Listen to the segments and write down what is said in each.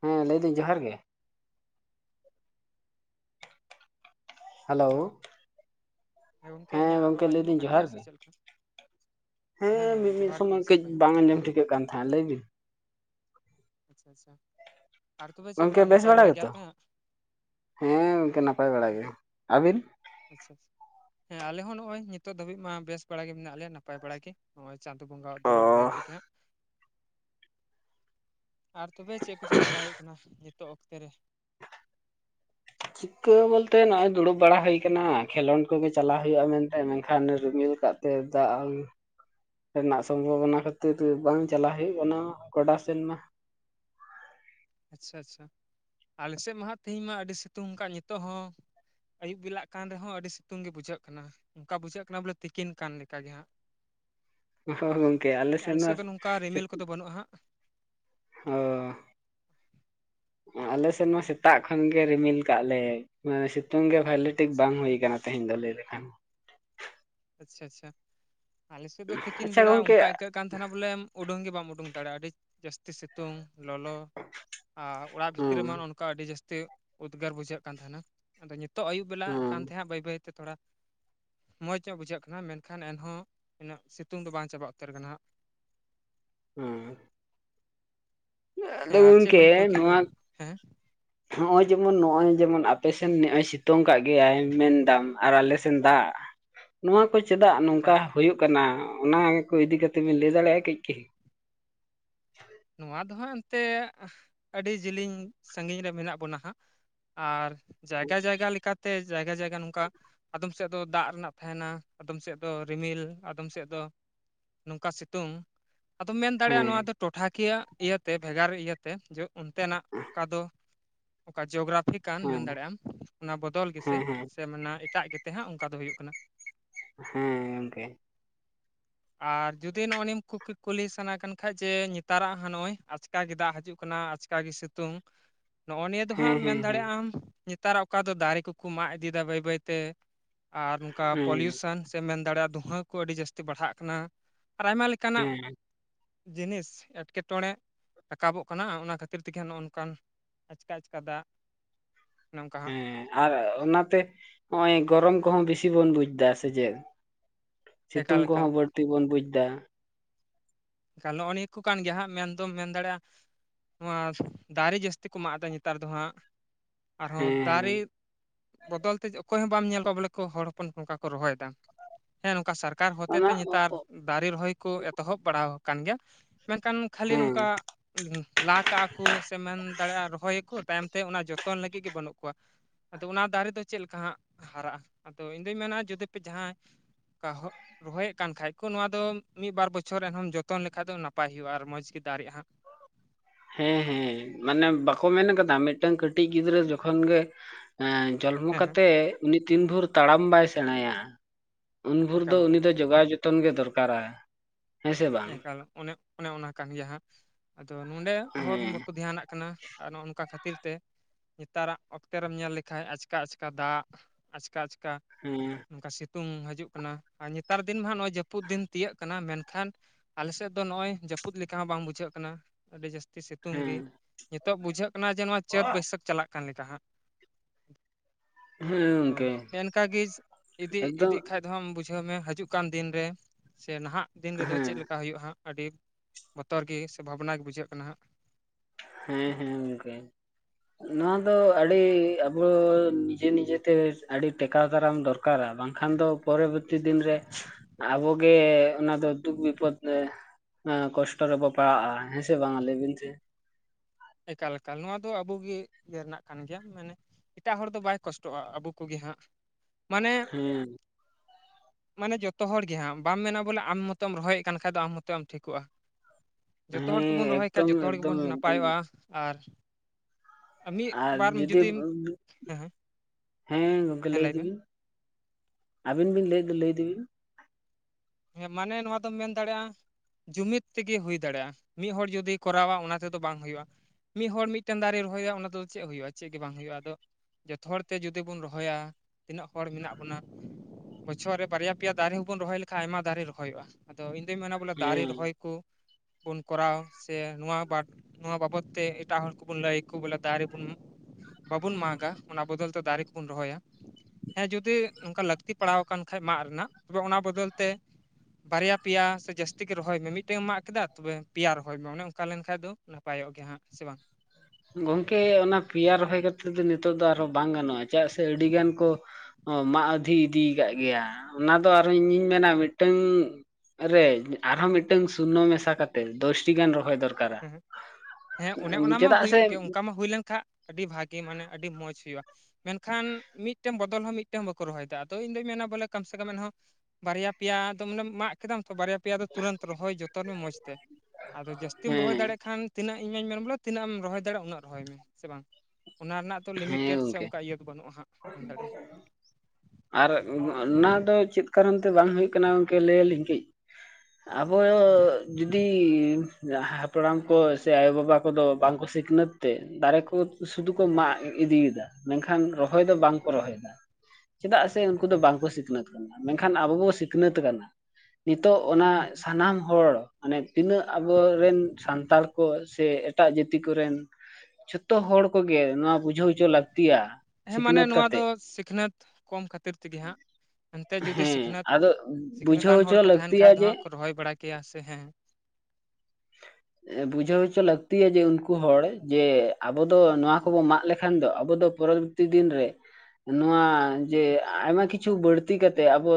ᱦᱮᱸ ᱞᱟᱹᱭ ᱫᱟᱹᱧ ᱡᱚᱦᱟᱸᱨ ᱜᱮ ᱦᱮᱞᱳ ᱦᱮᱸ ᱜᱚᱢᱠᱮ ᱤᱧᱟᱹᱜ ᱜᱚᱝᱠᱮ ᱨᱚᱲ ᱟᱸᱡᱚᱢᱚᱜ ᱞᱟᱹᱭᱫᱟᱹᱧ ᱠᱟᱱ ᱡᱚᱦᱟᱨ ᱜᱮᱭᱟ ᱥᱮ ᱜᱮ ᱪᱮᱫ ᱞᱮᱠᱟ ᱦᱮᱸ ᱢᱤᱫ-ᱢᱤᱫ ᱡᱚᱦᱟᱨ ᱜᱮ ᱥᱚᱢᱚᱭ ᱤᱧ ᱠᱟᱹᱡ ᱵᱟᱝ ᱟᱸᱡᱚᱢ ᱴᱷᱤᱠᱟᱹᱜ ᱠᱟᱱ ᱛᱟᱦᱮᱸᱫᱼᱟ ᱞᱟᱹᱭ ᱵᱤᱱ [inaudible] ᱟᱪᱷᱟ ᱟᱪᱷᱟ ᱟᱨ ᱛᱚᱵᱮ ᱪᱮᱫ ᱜᱚᱝᱠᱮ ᱞᱮᱠᱟ ᱵᱮᱥ ᱱᱟᱯᱟᱭ ᱵᱟᱲᱟ ᱜᱮᱛᱚ ᱜᱮᱭᱟ ᱯᱮ ᱦᱟᱸᱜ ᱦᱮᱸ ᱜᱚᱢᱠᱮ ᱱᱟᱯᱟᱭ ᱵᱟᱲᱟ ᱜᱮ ᱟᱹᱵᱤᱱ ᱟᱪᱷᱟ ᱟᱪᱷᱟ ᱦᱮᱸ ᱟᱞᱮ ᱦᱚᱸ ᱱᱚᱜᱼᱚᱸᱭ ᱱᱤᱛᱚᱜ ᱫᱷᱟᱹᱵᱤᱡ ᱢᱟ ᱵᱮᱥ ᱵᱟᱲᱟ ᱜᱮ ᱢᱮᱱᱟᱜ ᱞᱮᱭᱟ ᱱᱟᱯᱟᱭ ᱵᱟᱲᱟ ᱜᱮ ᱱᱚᱜᱼᱚᱸᱭ ᱪᱟᱸᱫᱳ ᱵᱚᱸᱜᱟᱣᱟᱜ ᱚ ᱫᱩᱞᱟᱹᱲ ᱫᱟᱭᱟ ᱛᱮᱜᱮ ᱦᱟᱸᱜ ᱟᱨ ᱛᱚᱵᱮ ᱪᱮᱫ ᱠᱚ ᱪᱮᱠᱟ ᱵᱟᱲᱟ ᱦᱩᱭᱩᱜ ᱠᱟᱱᱟ ᱱᱤᱛᱚᱜ ᱚᱠᱛᱮ ᱨᱮ ᱪᱤᱠᱟᱹ ᱵᱚᱞᱛᱮ ᱱᱚᱜᱼᱚᱭ ᱫᱩᱲᱩᱵ ᱵᱟᱲᱟ ᱦᱩᱭ ᱟᱠᱟᱱᱟ ᱠᱷᱮᱞᱳᱰ ᱠᱚᱜᱮ ᱪᱟᱞᱟᱣ ᱦᱩᱭᱩᱜᱼᱟ ᱢᱮᱱᱛᱮ ᱢᱮᱱᱠᱷᱟᱱ ᱨᱤᱢᱤᱞ ᱠᱟᱜ [unintelligible] ᱨᱮᱱᱟᱜ ᱥᱚᱢᱵᱷᱚᱵᱚᱱᱟ ᱠᱷᱟᱹᱛᱤᱨ ᱵᱟᱝ ᱪᱟᱞᱟᱜ ᱦᱩᱭᱩᱜ ᱠᱟᱱᱟ ᱜᱚᱰᱟ ᱥᱮᱱ ᱢᱟ ᱟᱪᱪᱷᱟ ᱟᱪᱪᱷᱟ ᱟᱞᱮ ᱥᱮᱫ ᱢᱟ ᱦᱟᱸᱜ ᱛᱤᱦᱤᱧ ᱢᱟ ᱟ. ᱰᱤ ᱥᱤᱛᱩᱝ ᱟᱠᱟᱫ ᱱᱤᱛᱚᱜ ᱦᱚᱸ᱾ ᱟᱭᱩᱵ ᱵᱮᱞᱟᱜ ᱠᱟᱱ ᱨᱮᱦᱚᱸ ᱟᱹᱰᱤ ᱥᱤᱛᱩᱝ ᱜᱮ ᱵᱩᱡᱷᱟᱹᱜ ᱠᱟᱱᱟ᱾ ᱚᱱᱠᱟ ᱵᱩᱡᱷᱟᱹᱜ ᱠᱟᱱᱟ ᱵᱚᱞᱮ ᱛᱤᱠᱤᱱ ᱠᱟᱱ ᱞᱮᱠᱟ ᱜᱮ ᱦᱟᱸᱜ᱾ ᱦᱚᱸ ᱟᱨ ᱜᱚᱝᱠᱮ ᱥᱮᱱ ᱟᱞᱮ ᱢᱟ ᱥᱮᱫ ᱫᱚ ᱱᱚᱝᱠᱟ ᱨᱤᱢᱤᱞ ᱠᱚᱫᱚ ᱵᱟᱹᱱᱩᱜᱼᱟ ᱦᱟᱸᱜ᱾ ᱦᱚᱻ ᱟᱞᱮ ᱥᱮᱫ ᱢᱟ ᱥᱮᱛᱟᱜ ᱠᱷᱚᱱ ᱜᱮ ᱨᱤᱢᱤᱞ ᱠᱟᱜ ᱞᱮ ᱢᱟᱱᱮ ᱥᱤᱛᱩᱝ ᱜᱮ ᱵᱷᱟᱞᱤ ᱴᱷᱤᱠ ᱵᱟᱝ ᱦᱩᱭ ᱟᱠᱟᱱᱟ᱾ ᱛᱮᱦᱮᱧ ᱫᱚ ᱞᱟᱹᱭ ᱞᱮᱠᱷᱟᱱ ᱟᱪᱷᱟ ᱟᱪᱷᱟ ᱟᱞᱮ ᱥᱮᱫ ᱫᱚ ᱛᱤᱠᱤᱱ ᱟᱪᱪᱷᱟ ᱵᱮᱲᱟ ᱜᱚᱝᱠᱮ ᱚᱱᱠᱟ ᱟ. ᱭᱠᱟ. ᱜ ᱠᱟᱱ ᱛᱟᱦᱮᱱᱟ ᱵᱚᱞᱮᱢ ᱩᱰᱩᱝ ᱜᱮ ᱵᱟᱢ ᱩᱰᱩᱝ ᱫᱟᱲᱮᱭᱟᱜᱼᱟ ᱟᱹᱰᱤ ᱡᱟᱹᱥᱛᱤ ᱥᱤᱛᱩᱝ ᱞᱚᱞᱚ ᱟᱨ ᱚᱲᱟᱜ ᱵᱷᱤᱛᱤᱨ ᱨᱮᱢᱟ ᱱᱚᱜ ᱦᱩᱸ ᱚᱭ ᱚᱱᱠᱟ ᱟᱹᱰᱤ ᱡᱟᱹᱥᱛᱤ ᱩᱫᱽᱜᱟᱹᱨ ᱵᱩᱡᱷᱟᱹᱜ ᱠᱟᱱ ᱛᱟᱦᱮᱱᱟ ᱟᱫᱚ ᱱᱤᱛᱚᱜ ᱟᱹᱭᱩᱵ ᱵᱮᱞᱟ ᱦᱩᱸ ᱠᱟᱱ ᱛᱟᱦᱮᱸᱜ ᱵᱟᱹᱭ ᱵᱟᱹᱭ ᱛᱮ ᱛᱷᱚᱲᱟ ᱪᱚᱜ ᱵᱩᱡᱷᱟᱹᱜ ᱠᱟᱱᱟ ᱢᱮᱱᱠᱷᱟᱱ ᱮᱱᱦᱚᱸ ᱩᱱᱟᱹᱜ ᱥᱤᱛᱩᱝ ᱫᱚ ᱵᱟᱝ ᱪᱟᱵᱟ ᱩᱛᱟᱹᱨ ᱟᱠᱟᱱᱟ ᱦᱟᱸᱜ [inaudible] ᱦᱮᱸ ᱟᱫᱚ ᱟᱨ ᱪᱮᱫ ᱜᱚᱢᱠᱮ ᱵᱮᱱ ᱠᱩᱨᱠᱤ ᱞᱮ ᱱᱚᱶᱟ ᱦᱮᱸ [inaudible] ᱦᱚᱸᱜᱼᱚᱭ ᱡᱮᱢᱚᱱ ᱱᱚᱜᱼᱚᱭ ᱡᱮᱢᱚᱱ ᱟᱯᱮ ᱥᱮᱱ ᱱᱮᱜᱼᱚᱭ ᱥᱤᱛᱩᱝ ᱠᱟᱜ ᱜᱮᱭᱟᱭ ᱢᱮᱱ ᱫᱟᱢ ᱟᱨ ᱟᱞᱮ ᱥᱮᱱ ᱫᱟᱜ᱾ ᱱᱚᱶᱟ ᱠᱚ ᱪᱮᱫᱟᱜ ᱮᱠᱟᱞ ᱱᱚᱝᱠᱟ ᱦᱩᱭᱩᱜ ᱠᱟᱱᱟ ᱚᱱᱟ ᱠᱚ ᱤᱫᱤ ᱠᱟᱛᱮᱫ ᱵᱤᱱ ᱞᱟᱹᱭ ᱫᱟᱲᱮᱭᱟᱜᱼᱟ ᱠᱟᱹᱡ ᱠᱟᱹᱡ? ᱱᱚᱶᱟ ᱫᱚ ᱦᱟᱸᱜ ᱮᱱᱛᱮᱫ ᱟᱹᱰᱤ ᱡᱤᱞᱤᱧ ᱥᱟᱺᱜᱤᱧ ᱨᱮ ᱢᱮᱱᱟᱜ ᱵᱚᱱᱟ ᱦᱟᱸᱜ᱾ ᱟᱨ ᱡᱟᱭᱜᱟ ᱡᱟᱭᱜᱟ ᱞᱮᱠᱟ ᱛᱮ ᱡᱟᱭᱜᱟ ᱡᱟᱭᱜᱟ ᱱᱚᱝᱠᱟ ᱟᱫᱚᱢ ᱥᱮᱫ ᱫᱚ ᱫᱟᱜ ᱨᱮᱱᱟᱜ ᱛᱟᱦᱮᱱᱟ ᱟᱫᱚᱢ ᱥᱮᱫ ᱫᱚ ᱨᱤᱢᱤᱞ ᱟᱫᱚᱢ ᱥᱮᱫ ᱫᱚ ᱱᱚᱝᱠᱟ ᱥᱤᱛᱩᱝ ᱟᱫᱚᱢ ᱢᱮᱱ ᱫᱟᱲᱮᱭᱟᱜᱼᱟ ᱦᱮᱸ ᱱᱚᱣᱟ ᱫᱚ ᱴᱚᱴᱷᱟᱠᱤᱭᱟᱹ ᱤᱭᱟᱹᱛᱮ ᱵᱷᱮᱜᱟᱨ ᱤᱭᱟᱹ ᱛᱮ ᱡᱮ. ᱚᱱᱛᱮᱱ-ᱟᱜ ᱚᱠᱟ ᱫᱚ ᱚᱠᱟ ᱡᱤᱭᱳᱜᱽᱨᱟᱯᱷᱤ ᱠᱟᱱ ᱦᱮᱸ ᱢᱮᱱ ᱫᱟᱲᱮᱭᱟᱜ ᱟᱢ ᱚᱱᱟ ᱵᱚᱫᱚᱞ ᱜᱮᱥᱮ ᱦᱮᱸ ᱦᱮᱸ ᱪᱮᱫ ᱮᱢ ᱢᱮᱱᱟ ᱮᱴᱟᱜ ᱜᱮᱛᱮ ᱦᱟᱸᱜ ᱚᱱᱠᱟ ᱫᱚ ᱦᱩᱭᱩᱜ ᱠᱟᱱᱟ᱾ ᱦᱮᱸ ᱜᱚᱝᱠᱮ ᱟᱨ ᱡᱩᱫᱤ ᱱᱚᱜᱼᱚᱭ ᱱᱤᱭᱟᱹ ᱠᱩᱠ-ᱠᱩᱞᱤ ᱥᱟᱱᱟ ᱠᱟᱱ ᱠᱷᱟᱡ ᱡᱮ ᱱᱮᱛᱟᱨ ᱟᱜ ᱦᱚᱸ ᱱᱚᱜᱼᱚᱭ ᱟᱪᱠᱟ ᱜᱮ ᱫᱟᱜ ᱦᱤᱡᱩᱜ ᱠᱟᱱᱟ ᱟᱪᱠᱟ ᱜᱮ ᱥᱤᱛᱩᱝ ᱱᱚᱜᱼᱚ ᱱᱤᱭᱟᱹ ᱫᱚ ᱦᱮᱸ ᱦᱟᱸᱜ ᱢᱮᱱ ᱦᱮᱸ ᱦᱮᱸ ᱫᱟᱲᱮᱭᱟᱜᱼᱟᱢ ᱱᱤᱛ ᱱᱮᱛᱟᱨ ᱟᱜ ᱚᱠᱟ ᱫᱚ ᱫᱟᱨᱮ ᱠᱚᱠᱚ ᱢᱟᱜ ᱤᱫᱤᱭ ᱮᱫᱟ ᱵᱟᱹᱭ ᱵᱟᱹᱭ ᱛᱮ ᱟᱨ ᱱᱚᱝᱠᱟ ᱦᱮᱸ ᱯᱚᱞᱤᱭᱩᱥᱚᱱᱥ ᱛᱮᱢ ᱢᱮᱱ ᱫᱟᱲᱮᱭᱟᱜᱼᱟ ᱫᱩᱦᱟᱹ ᱠᱚ ᱟᱹᱰᱤ ᱡᱟᱹᱥᱛᱤ ᱵᱟᱲᱦᱟᱜ ᱠᱟᱱᱟ ᱟᱨ ᱟᱭᱢᱟ ᱞᱮᱠᱟᱱ-ᱟᱜ ᱦᱮᱸ ᱡᱤᱱᱤᱥ ᱮᱴᱠᱮᱴᱚᱬᱮ ᱨᱟᱠᱟᱵᱚᱜ ᱠᱟᱱᱟ᱾ ᱚᱱᱟ ᱠᱷᱟᱹᱛᱤᱨ ᱛᱮᱜᱮ ᱱᱚᱜᱼᱚᱝᱠᱟᱱ ᱟᱪᱠᱟ ᱟᱪᱠᱟ ᱫᱟᱜ ᱱᱚᱝᱠᱟ ᱦᱟᱸᱜ ᱦᱮᱸ ᱟᱨ ᱚᱱᱟᱛᱮ ᱚᱸᱜᱼᱚᱭ ᱜᱚᱨᱚᱢ ᱠᱚᱦᱚᱸ ᱵᱮᱥᱤ ᱵᱚᱱ ᱵᱩᱡ ᱫᱟ ᱥᱮ ᱪᱮᱫ? ᱮᱠᱟᱞ ᱥᱤᱛᱩᱝ ᱮᱠᱟᱞ ᱠᱚᱦᱚᱸ ᱵᱟᱹᱲᱛᱤ ᱵᱚᱱ ᱵᱩᱡᱽ ᱫᱟ ᱮᱱᱠᱷᱟᱱ ᱱᱚᱜᱼᱚ ᱱᱤᱭᱟᱹ ᱠᱚ ᱠᱟᱱ ᱜᱮᱭᱟ ᱦᱟᱸᱜ ᱢᱮᱱᱫᱢ ᱢᱮᱱ ᱫᱟᱲᱮᱭᱟᱜᱼᱟ᱾ ᱱᱚᱶᱟ ᱫᱟᱨᱮ ᱡᱟᱹᱥᱛᱤ ᱠᱚ ᱢᱟᱜ ᱮᱫᱟ ᱱᱮᱛᱟᱨ ᱫᱚ ᱦᱟᱸᱜ ᱟᱨᱦᱚᱸ ᱦᱮᱸ ᱦᱮᱸ ᱫᱟᱨᱮ ᱵᱚᱫᱚᱞ ᱛᱮᱡ ᱚᱠᱚᱭ ᱦᱚᱸ ᱵᱟᱢ ᱧᱮᱞ ᱠᱚᱣᱟ ᱵᱚᱞᱮ ᱠᱚ ᱦᱚᱲ ᱦᱚᱯᱚᱱ ᱱᱚᱝᱠᱟ ᱠᱚ ᱨᱚᱦᱚᱭᱮᱫᱟ ᱦᱮᱸ ᱱᱚᱝᱠᱟ ᱥᱚᱨᱠᱟᱨ ᱚᱱᱟ ᱦᱚᱛᱮᱛᱮ ᱱᱮᱛᱟᱨ ᱫᱟᱨᱮ ᱨᱚᱦᱚᱭ ᱠᱚ ᱮᱛᱚᱦᱚᱵ ᱵᱟᱲᱟᱣ ᱟᱠᱟᱱ ᱜᱮᱭᱟ᱾ ᱢᱮᱱᱠᱷᱟᱱ ᱠᱷᱟᱹᱞᱤ ᱦᱮᱸ ᱱᱚᱝᱠᱟ ᱞᱟ ᱠᱟᱜ ᱟᱠᱚ ᱥᱮ ᱢᱮᱱ ᱫᱟᱲᱮᱭᱟᱜᱼᱟ ᱨᱚᱦᱚᱭᱟᱚ ᱛᱟᱭᱚᱢᱛᱮ ᱚᱱᱟ ᱡᱚᱛᱚᱱ ᱞᱟᱹᱜᱤᱫ ᱜᱮ ᱵᱟᱹᱱᱩᱜ ᱠᱚᱣᱟ᱾ ᱟᱫᱚ ᱚᱱᱟ ᱫᱟᱨᱮ ᱫᱚ ᱪᱮᱫ ᱞᱮᱠᱟ ᱦᱟᱸᱜ ᱦᱟᱨᱟᱜᱼᱟ ᱟᱫᱚ ᱤᱧᱫᱩᱧ ᱢᱮᱱᱟ ᱡᱩᱫᱤᱯᱮ ᱡᱟᱦᱟᱸᱭ, ᱠᱟ ᱦᱚᱜ ᱨᱚᱦᱚᱭᱮᱜ ᱠᱟᱱ ᱠᱷᱟᱡ ᱠᱚ ᱱᱚᱶᱟ ᱫᱚ ᱢᱤᱫ ᱵᱟᱨ ᱵᱚᱪᱷᱚᱨ ᱮᱱᱦᱚᱸᱢ ᱡᱚᱛ ᱡᱚᱛᱚᱱ ᱞᱮᱠᱷᱟᱡ ᱫᱚ ᱱᱟᱯᱟᱭ ᱦᱩᱭᱩᱜᱼᱟ ᱟᱨ ᱢᱚᱡᱽ ᱜᱮ ᱫᱟᱨᱮᱜᱼᱟ ᱦᱟᱸᱜ᱾ ᱦᱮᱸ ᱦᱮᱸ ᱢᱟᱱᱮ ᱵᱟᱠᱚ ᱢᱮᱱ ᱟᱠᱟᱫᱟ ᱢᱤᱫ ᱴᱟᱝ ᱠᱟᱹᱴᱤᱡ ᱜᱤᱫᱽᱨᱟᱹ ᱡᱚᱠᱷᱚᱱ ᱜᱮ ᱮᱸ ᱡᱚᱞᱢᱚ ᱦᱮᱸ ᱦᱮᱸ ᱠᱟᱛᱮᱜ ᱩᱱᱤ ᱛᱤᱱ ᱵᱷᱳᱨ ᱛᱟᱲᱟᱢ ᱵᱟᱭ ᱥᱮᱬᱟᱭᱟ᱾ ᱩᱱ ᱵᱷᱳᱨ ᱫᱚ ᱮᱠᱟᱞ ᱮᱠᱟᱞ ᱩᱱᱤ ᱫᱚ ᱡᱚᱜᱟᱣ ᱡᱚᱛᱚᱱ ᱜᱮ ᱫᱚᱨᱠᱟᱨᱟ ᱦᱮᱸ ᱥᱮ ᱵᱟᱝ ᱮᱠᱟᱞ ᱚᱱᱮᱜ ᱚᱱᱮ ᱚᱱᱟ ᱠᱟᱱ ᱜᱮᱭᱟ ᱦᱟᱸᱜ᱾ ᱟᱫᱚ ᱱᱚᱰᱮ ᱦᱚᱲ ᱦᱚᱸ ᱦᱮᱸ ᱵᱟᱠᱚ ᱫᱷᱮᱱᱟᱜ ᱠᱟᱱᱟ ᱟᱨ ᱱᱚᱜᱼᱚ ᱱᱚᱝᱠᱟ ᱠᱷᱟᱹᱛᱤᱨ ᱛᱮ ᱱᱮᱛᱟᱨᱟᱜ ᱚᱠᱛᱮ ᱨᱮᱢ ᱧᱮᱞ ᱞᱮᱠᱷᱟᱡ ᱟᱪᱠᱟ ᱟᱪᱠᱟ ᱫᱟᱜ ᱟᱪᱠᱟ ᱟᱪᱠᱟ ᱦᱮᱸ᱾ ᱱᱚᱝᱠᱟ ᱥᱤᱛᱩᱝ ᱦᱟᱹᱡᱩᱜ ᱠᱟᱱᱟ ᱟᱨ ᱱᱮᱛᱟᱨ ᱫᱤᱱ ᱢᱟᱦᱟᱸᱜ ᱚᱸᱜᱼᱚᱭ ᱡᱟᱹᱯᱩᱫ ᱫᱤᱱ ᱛᱤᱭᱟᱹᱜ ᱠᱟᱱᱟ, ᱢᱮᱱᱠᱷᱟᱱ ᱟᱞᱮᱥᱮᱫ ᱫᱚ ᱱᱚᱜᱼᱚᱭ ᱡᱟᱹᱯᱩᱫ ᱞᱮᱠᱟ ᱦᱚᱸ ᱵᱟᱝ ᱵᱩᱡᱷᱟᱹᱜ ᱠᱟᱱᱟ᱾ ᱟᱹᱰᱤ ᱡᱟᱹᱥᱛᱤ ᱥᱤᱛᱩᱝ ᱦᱮᱸ ᱜᱮ ᱱᱤᱛᱚᱜ ᱵᱩᱡᱷᱟᱹᱜ ᱠᱟᱱᱟ ᱡᱮ ᱱᱚᱣᱟ ᱪᱟᱹᱛ ᱵᱟᱹᱭᱥᱟᱹᱠᱷ ᱪᱟᱞᱟᱜ ᱠᱟᱱ ᱞᱮᱠᱟ ᱦᱟᱸᱜ᱾ ᱦᱮᱸ ᱛᱚ ᱜᱚᱝᱠᱮ ᱮᱱᱠᱟ ᱜᱮᱤᱡ ᱤᱫᱤ ᱮᱠᱫᱚᱢ ᱤᱫᱤᱜ ᱠᱷᱟᱡ ᱵᱩᱡᱷᱟᱹᱣ ᱢᱮ ᱦᱟᱹᱡᱩᱜ ᱠᱟᱱ ᱫᱤᱱ ᱨᱮ ᱥᱮ ᱱᱟᱦᱟᱜ ᱫᱤᱱ ᱨᱮᱫᱚ ᱦᱮᱸ ᱠᱟ ᱦᱩᱭᱩᱜᱼᱟ ᱦᱟᱸᱜ ᱟᱹᱰᱤ ᱵᱚᱛᱚᱨ ᱜᱮ ᱥᱮ ᱵᱷᱟᱵᱽᱱᱟ ᱜᱮ ᱵᱩᱡᱷᱟᱹᱜ ᱠᱟᱱᱟ ᱦᱟᱸᱜ᱾ ᱦᱮᱸ ᱦᱮᱸ ᱜᱚᱝᱠᱮ᱾ ᱱᱚᱣᱟ ᱫᱚ ᱟᱹᱰᱤ ᱟᱵᱚ ᱱᱤᱡᱮ ᱱᱤᱡᱮᱛᱮ ᱟᱹᱰᱤ ᱴᱮᱠᱟᱣ ᱫᱟᱨᱟᱢ ᱫᱚᱨ ᱠᱟᱨᱟ ᱵᱟᱝᱠᱷᱟᱱ ᱫᱚ ᱯᱚᱨᱚᱵᱚᱨᱛᱤ ᱫᱤᱱ ᱨᱮ, ᱟᱵᱚᱜᱮ ᱚᱱᱟ ᱫᱚ ᱫᱩᱠ ᱵᱤᱯᱚᱫᱽ ᱟᱹ ᱟᱺ ᱠᱚᱥᱴᱚ ᱨᱮᱵᱚ ᱯᱟᱲᱟᱜᱼᱟ ᱦᱮᱸ ᱥᱮ ᱵᱟᱝᱼᱟ ᱞᱟᱹᱭᱵᱤᱱ ᱥᱮ? ᱮᱠᱟᱞ ᱮᱠᱟᱞ ᱱᱚᱣᱟ ᱫᱚ ᱟᱵᱚᱮ ᱤᱭᱟᱹ ᱨᱮᱱᱟᱜ ᱠᱟᱱ ᱜᱮᱭᱟ ᱢᱟᱱᱮ ᱮᱴᱟᱜ ᱦᱚᱲ ᱫᱚ ᱵᱟᱭ ᱠᱚᱥᱴᱚᱜᱼᱟ ᱟᱵᱚ ᱠᱚᱜᱮ ᱦᱟᱸᱜ, ᱢᱟᱱᱮ ᱦᱮᱸ᱾ ᱢᱟᱱᱮ ᱡᱚᱛᱚ ᱦᱚᱲ ᱜᱮ ᱦᱟᱸᱜ ᱵᱟᱢ ᱢᱮᱱᱟ ᱵᱚᱞᱮ ᱟᱢ ᱢᱚᱛᱚᱢ ᱨᱚᱦᱚᱭᱮᱜ ᱠᱟᱱ ᱠᱷᱟ ᱫᱚ ᱟᱢ ᱢᱚᱛᱚᱢ ᱴᱷᱤᱠᱚᱜᱼᱟ᱾ ᱡᱚᱛᱚ ᱦᱚᱲ ᱦᱮᱸ ᱛᱮᱵᱚᱱ ᱨᱚᱦᱚᱭ ᱠᱷᱟᱡ ᱮᱠᱫᱚᱢ ᱡᱚᱛᱚ ᱦᱚᱲ ᱮᱠᱫᱚᱢ ᱜᱮᱵᱚᱱ ᱮᱠᱫᱚᱢ ᱜᱮ ᱱᱟᱯᱟᱭᱚᱜᱼᱟ, ᱟᱨ ᱢᱤᱫ ᱟᱨ ᱵᱟᱨ ᱡᱩᱫᱤ ᱡᱩᱫᱤᱢ ᱦᱮᱸ [unintelligible] ᱦᱮᱸ ᱦᱮᱸ ᱜᱚᱝᱠᱮ ᱦᱮᱸ ᱞᱟᱹᱭ ᱤᱫᱤ ᱵᱮᱱ ᱵᱤᱱ᱾ ᱟᱹᱵᱤᱱ ᱵᱤᱱ ᱞᱟᱹᱭᱮᱜ ᱫᱚ ᱞᱟᱹᱭ ᱤᱫᱤ ᱵᱤᱱ᱾ ᱦᱮᱸ ᱢᱟᱱᱮ ᱱᱚᱣᱟ ᱫᱚᱢ ᱢᱮᱱ ᱫᱟᱲᱮᱭᱟᱜᱼᱟ ᱡᱩᱢᱤᱫ ᱛᱮᱜᱮ ᱦᱩᱭ ᱫᱟᱲᱮᱭᱟᱜᱼᱟ, ᱢᱤᱜ ᱦᱚᱲ ᱡᱩᱫᱤ ᱠᱚᱨᱟᱣᱟ ᱚᱱᱟ ᱛᱮᱫᱚ ᱵᱟᱝ ᱦᱩᱭᱩᱜᱼᱟ᱾ ᱢᱤᱜ ᱦᱚᱲ ᱢᱤᱫᱴᱮᱱ ᱫᱟᱨᱮᱭ ᱨᱚᱦᱚᱭᱟ ᱚᱱᱟ ᱫᱚ ᱪᱮᱫ ᱦᱩᱭᱩᱜᱼᱟ ᱪᱮᱫ ᱜᱮ ᱵᱟᱝ ᱦᱩᱭᱩᱜᱼᱟ, ᱟᱫᱚ ᱡᱷᱚᱛᱚ ᱦᱚᱲᱛᱮ ᱡᱩᱫᱤ ᱵᱚᱱ ᱨᱚᱦᱚᱭᱟ ᱛᱤᱱᱟᱹᱜ ᱦᱚᱲ ᱢᱮᱱᱟᱜ ᱵᱚᱱᱟ, ᱵᱚᱪᱷᱚᱨ ᱨᱮ ᱵᱟᱨᱭᱟ ᱯᱮᱭᱟ ᱫᱟᱨᱮ ᱦᱚᱸᱵᱚᱱ ᱨᱚᱦᱚᱭ ᱞᱮᱠᱷ ᱠᱷᱟ ᱟᱭᱢᱟ ᱫᱟᱨᱮ ᱨᱚᱦᱚᱭᱚᱜᱼᱟ, ᱟᱫᱚ ᱤᱧ ᱫᱩᱧ ᱢᱮᱱᱟ ᱵᱚᱞᱮ ᱫᱟᱨᱮ ᱦᱮᱸ ᱨᱚᱦᱚᱭ ᱠᱚ ᱵᱚᱱ ᱠᱚᱨᱟᱣ ᱥᱮ ᱱᱚᱣᱟ ᱵᱟᱴ ᱱᱚᱣᱟ ᱵᱟᱵᱚᱫ ᱛᱮ ᱮᱴᱟᱜ ᱦᱚᱲ ᱠᱚᱵᱚᱱ ᱞᱟᱹᱭᱟᱚ ᱵᱚᱞᱮ ᱫᱟᱨᱮ ᱵᱚᱱ ᱵᱟᱵᱚᱱ ᱢᱟᱜᱟ ᱚᱱᱟ ᱵᱚᱫᱚᱞ ᱛᱮ ᱫᱟᱨᱮ ᱠᱚᱵᱚᱱ ᱨᱚᱦᱚᱭᱟ᱾ ᱦᱮᱸ ᱡᱩᱫᱤ ᱱᱚᱝᱠᱟ ᱞᱟᱹᱠᱛᱤ ᱯᱟᱲᱟᱣ ᱟᱠᱟᱱ ᱠᱷᱟᱡ ᱢᱟᱜ ᱨᱮᱱᱟᱜ ᱛᱚᱵᱮ ᱚᱱᱟ ᱵᱚᱫᱚᱞ ᱛᱮ ᱵᱟᱨᱭᱟ ᱯᱮᱭᱟ ᱥᱮ ᱡᱟᱹᱥᱛᱤ ᱜᱮ ᱨᱚᱦᱚᱭ ᱢᱮ ᱢᱤᱫ ᱴᱟᱹᱝ ᱮᱢ ᱢᱟᱜ ᱠᱮᱫᱟ ᱛᱚᱵᱮ ᱯᱮᱭᱟ ᱨᱚᱦᱚᱭ ᱢᱮ ᱚᱱᱮ ᱚᱱᱠᱟ ᱞᱮᱱ ᱠᱷᱟᱡ ᱫᱚ ᱱᱟᱯᱟᱭᱚᱜ ᱜᱮᱭᱟ ᱦᱟᱸᱜ, ᱥᱮ ᱵᱟᱝ? ᱜᱚᱝᱠᱮ ᱚᱱᱟ ᱯᱮᱭᱟ ᱨᱚᱦᱚᱭ ᱠᱟᱛᱮ ᱫᱚ ᱱᱤᱛᱚᱜ ᱫᱚ ᱟᱨᱦᱚᱸ ᱵᱟᱝ ᱜᱟᱱᱚᱜᱼᱟ, ᱪᱮᱫᱟᱜ ᱥᱮ ᱟᱹᱰᱤ ᱜᱟᱱ ᱠᱚ ᱠᱚ ᱢᱟᱜ ᱟᱫᱷᱤ ᱤᱫᱤ ᱟᱠᱟᱜ ᱜᱮᱭᱟ ᱚᱱᱟ ᱫᱚ ᱟᱨᱦᱚᱸ ᱤᱧᱤᱧ ᱢᱮᱱᱟ ᱢᱤᱫ ᱴᱟᱹᱝ ᱨᱮ ᱟᱨᱦᱚᱸ ᱢᱤᱫᱴᱟᱝ ᱥᱩᱱᱱᱚ ᱢᱮᱥᱟ ᱠᱟᱛᱮ ᱫᱚᱥᱴᱤ ᱜᱟᱱ ᱨᱚᱦᱚᱭ ᱫᱚᱨ ᱩᱸᱦᱩᱜ ᱦᱮᱸ ᱚᱱᱮ ᱚᱱᱟ ᱢᱟ ᱥᱮ ᱦᱩᱭᱩᱜ ᱜᱮ ᱚᱱᱠᱟ ᱢᱟ ᱦᱩᱭ ᱞᱮᱱᱠᱷᱟᱜ ᱟᱹᱰᱤ ᱵᱷᱟᱜᱮ ᱢᱟᱱᱮ ᱟᱹᱰᱤ ᱢᱚᱸᱡᱽ ᱦᱩᱭᱩᱜᱼᱟ᱾ ᱢᱮᱱᱠᱷᱟᱱ ᱢᱤᱫ ᱴᱟᱝ ᱵᱚᱫᱚᱞ ᱦᱚᱸ ᱢᱤᱫ ᱴᱟᱝ ᱦᱚᱸ ᱵᱟᱠᱚ ᱨᱚᱦᱚᱭ ᱫᱟ, ᱟᱫᱚ ᱤᱧᱫᱚᱩᱧ ᱢᱮᱱᱟ ᱵᱚᱞᱮ ᱠᱚᱢ ᱥᱮ ᱠᱚᱢ ᱮᱱᱦᱚᱸ ᱵᱟᱨᱭᱟ ᱯᱮᱭᱟ ᱫᱚ ᱢᱟᱱᱮ ᱢᱟᱜ ᱠᱮᱫᱟᱢ ᱛᱚ ᱵᱟᱨᱭᱟ ᱯᱮᱭᱟ ᱫᱚ ᱛᱩᱨᱟᱹᱱᱛ ᱨᱚᱦᱚᱭ ᱡᱚᱛᱚᱱ ᱢᱮ ᱢᱚᱡᱽ ᱛᱮ᱾ᱟᱨ ᱨᱚᱦᱚᱭ ᱦᱮᱸ ᱫᱟᱲᱭᱟᱜ ᱠᱷᱟᱱ ᱛᱤᱱᱟᱹᱜ ᱤᱧ ᱢᱟᱹᱧ ᱢᱮᱱ ᱵᱚᱞᱮ ᱛᱤᱱᱟᱹᱜ ᱮᱢ ᱨᱚᱦᱚᱭ ᱫᱟᱲᱮᱭᱟᱜᱼᱟ, ᱩᱱᱟᱹᱜ ᱨᱚᱭ ᱢᱮ ᱥᱮ ᱵᱟᱝ ᱚᱱᱟ ᱨᱮᱱᱟᱜ ᱛᱚ ᱦᱮᱸ ᱞᱤᱢᱤᱴᱮᱰ ᱥᱮ ᱜᱚᱝᱠᱮ ᱚᱱᱠᱟ ᱤᱭᱟᱹ ᱫᱚ ᱵᱟᱹᱱᱩᱜᱼᱟ ᱦᱟᱸᱜ ᱢᱮᱱ ᱫᱟᱲᱮᱢ ᱟᱨ ᱚᱱᱟ ᱫᱚ ᱪᱮᱫ ᱠᱟᱨᱚᱱ ᱛᱮ ᱵᱟᱝ ᱦᱩᱭᱩᱜ ᱠᱟᱱᱟ ᱜᱚᱝᱠᱮ ᱞᱟᱹᱭ ᱟᱞᱤᱧ ᱠᱟᱹᱡ? ᱟᱵᱚ ᱦᱮᱸ ᱡᱩᱫᱤ ᱦᱟᱯᱲᱟᱢ ᱠᱚ ᱥᱮ ᱟᱭᱚ ᱵᱟᱵᱟ ᱠᱚᱫᱚ ᱵᱟᱝ ᱠᱚ ᱥᱤᱠᱷᱱᱟᱹᱛ ᱛᱮ ᱫᱟᱨᱮ ᱠᱩ ᱥᱩᱫᱩ ᱠᱚ ᱮᱠᱟᱞ ᱢᱟᱜ ᱤᱫᱤᱭᱮᱫᱟ ᱢᱮᱱᱠᱷᱟᱱ ᱨᱚᱦᱚᱭ ᱫᱚ ᱵᱟᱝᱠᱚ ᱨᱚᱦᱚᱭ ᱮᱫᱟ᱾ ᱪᱮᱫᱟᱜ ᱥᱮ ᱩᱱᱠᱩ ᱫᱚ ᱮᱠᱟᱞ ᱵᱟᱝᱠᱚ ᱥᱤᱠᱷᱱᱟᱹᱛ ᱠᱟᱱᱟ, ᱢᱮᱱᱠᱷᱟᱱ ᱟᱵᱚ ᱵᱚ ᱥᱤᱠᱷᱱᱟᱹᱛ ᱠᱟᱱᱟ᱾ ᱱᱤᱛᱚᱜ ᱚᱱᱟ ᱥᱟᱱᱟᱢ ᱦᱚᱲ ᱢᱟᱱᱮ ᱛᱤᱱᱟᱹᱜ ᱟᱵᱚ ᱨᱮᱱ ᱥᱟᱱᱛᱟᱲ ᱠᱚ ᱥᱮ ᱮᱴᱟᱜ ᱡᱟᱹᱛᱤ ᱠᱚᱨᱮᱱ ᱡᱷᱚᱛᱚ ᱦᱚᱲ ᱠᱚᱜᱮ ᱱᱚᱣᱟ ᱵᱩᱡᱷᱟᱹᱣ ᱦᱚᱪᱚ ᱞᱟᱹᱠᱛᱤᱭᱟ, ᱦᱮᱸ ᱢᱟᱱᱮ ᱥᱤᱠᱷᱱᱟᱹᱛ ᱠᱟᱛᱮᱜ [unintelligible] ᱥᱤᱠᱷᱱᱟᱹᱛ ᱠᱚᱢ ᱠᱷᱟᱹᱛᱤᱨ ᱛᱮᱜᱮ ᱦᱟᱸᱜ ᱮᱱᱛᱮ ᱡᱩᱫᱤ ᱦᱮᱸ ᱥᱤᱠᱷᱱᱟᱹᱛ, ᱟᱫᱚ ᱥᱤᱠᱷᱱᱟᱹᱛ ᱵᱩᱡᱷᱟᱹᱣ ᱟᱱ ᱦᱚᱲ ᱦᱚᱪᱚ ᱠᱚ ᱛᱟᱦᱮᱱ ᱞᱟᱹᱠᱛᱤᱭᱟ ᱠᱷᱟᱡ ᱫᱚ ᱡᱮ ᱦᱟᱸᱜ ᱠᱚ ᱨᱚᱦᱚᱭ ᱵᱟᱲᱟ ᱠᱮᱭᱟ ᱥᱮ ᱦᱮᱸ [inaudible] ᱵᱩᱡᱷᱟᱹᱣ ᱦᱚᱪᱚ ᱞᱟᱹᱠᱛᱤᱭᱟ ᱡᱮ ᱩᱱᱠᱩ ᱦᱚᱲ ᱡᱮ ᱟᱵᱚ ᱫᱚ ᱱᱚᱣᱟ ᱠᱚᱵᱚ ᱢᱟᱜ ᱞᱮᱠᱷᱟᱱ ᱫᱚ ᱟᱵᱚ ᱫᱚ ᱯᱚᱨᱮᱨ ᱯᱨᱚᱛᱤᱫᱤᱱ ᱨᱮ ᱱᱚᱣᱟ ᱡᱮ ᱟᱭᱢᱟ ᱠᱤᱪᱷᱩ ᱵᱟᱹᱲᱛᱤ ᱠᱟᱛᱮ ᱟᱵᱚ